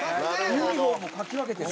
ユニホームを描き分けてる。